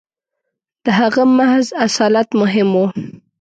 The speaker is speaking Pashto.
• د هغه محض اصالت مهم و.